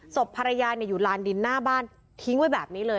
ศพภรรยาอยู่ลานดินหน้าบ้านทิ้งไว้แบบนี้เลย